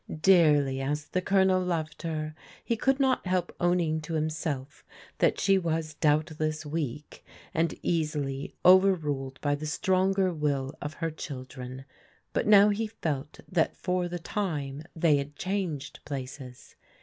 Dearly as the Colonel loved her, he could not help owning to himself that she was doubtless weak, and easily overruled by the stronger will of her children, but now he felt that for the time they had changed places.